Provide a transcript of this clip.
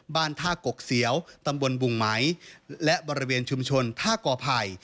บ้านท่ากกเสียวตำบลบุงไหมและบริเวณชุมชนท่ากอไผ่